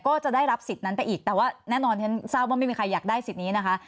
ก็จะได้รับสิทธิ์นั้นไปอีกแต่ว่าแน่นอนฉันทราบว่าไม่มีใครอยากได้สิทธิ์นี้นะคะ